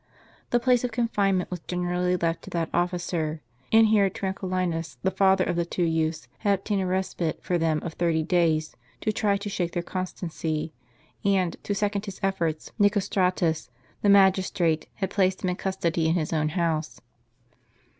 The place of confinement was generally left to that officer; and here Tranquillinus, the father of the two youths, had obtained a respite for them of thirty days to try to shake their con stancy; and, to second his efforts, Nicostratus, the magistrate, had placed them in custody in his own house.